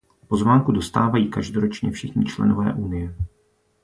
Pozvánku dostávají každoročně všichni členové unie.